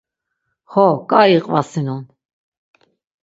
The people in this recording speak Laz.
Xo, ǩai iqvasinon.